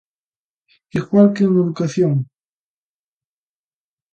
Igual que en educación.